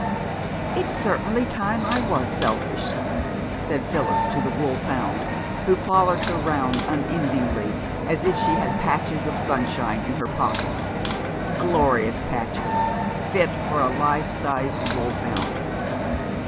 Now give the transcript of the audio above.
"It's certainly time I was selfish," said Phyllis to the wolfhound, who followed her round unendingly as if she had patches of sunshine in her pocket: glorious patches, fit for a life sized wolfhound.